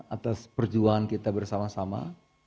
atas perjuangan kita bersama sama